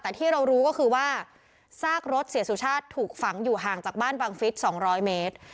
แต่ที่เรารู้ก็คือว่าซากรถเสียสุชาติถูกฝังอยู่ห่างจากบ้านบังฟิศ๒๐๐เมตร